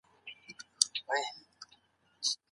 تاسو د مثبت ذهنیت سره د ژوند له هري تجربې څخه ګټه اخلئ.